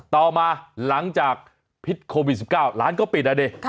ต่อมาหลังจากพิษโควิด๑๙ร้านก็ปิดอ่ะดิ